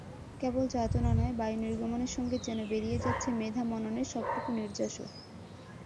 কেবল যাতনা নয়, বায়ু নির্গমনের সঙ্গে যেন বেরিয়ে যাচ্ছে মেধা-মননের সবটুকু নির্যাসও।